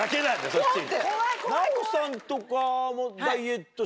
そっちに。